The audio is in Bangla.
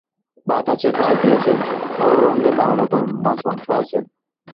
ভাত আছে, পাঁউরুটি আছেন, হর-রঙের নানা রকমের মাছমাংস আছেন।